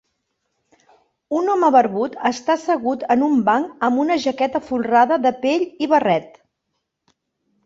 Un home barbut està assegut en un banc amb una jaqueta folrada de pell i barret.